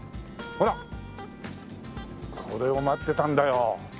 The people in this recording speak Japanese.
ほらこれを待ってたんだよ。